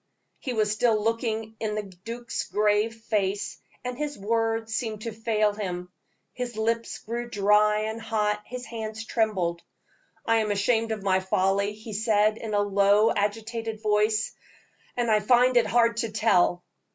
He was still looking in the duke's grave face, and his words seemed to fail him, his lips grew dry and hot, his hands trembled. "I am ashamed of my folly," he said, in a low, agitated voice, "and I find it hard to tell."